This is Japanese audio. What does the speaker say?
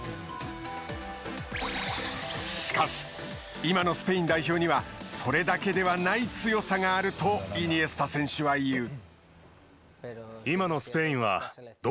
しかし、今のスペイン代表にはそれだけではない強さがあるとイニエスタ選手はいう。